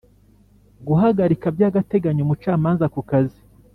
guhagarika by agateganyo umucamanza ku kazi